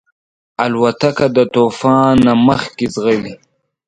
الوتکه د طوفان نه مخکې ځغلي.